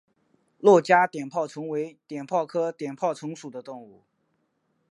珞珈碘泡虫为碘泡科碘泡虫属的动物。